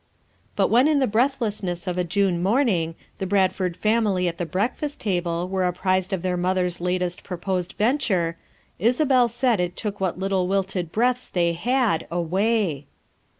But when in the breathlessness of a June morning, the Bradford family at the break fast table were appraised of their mother's lat* est proposed venture, Isabel said it took what little wilted breaths they had, away.